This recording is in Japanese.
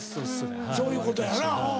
そういうことやな。